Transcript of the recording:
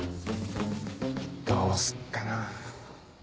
どうすっかな。